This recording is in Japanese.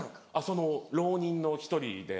その浪人の１人で。